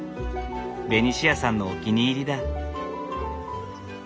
ベニシアさんのお気に入りだ。